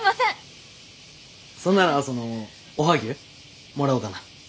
そんならそのおはぎゅうもらおうかな。